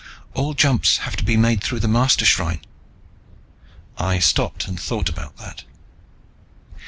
"All jumps have to be made through the Mastershrine." I stopped and thought about that.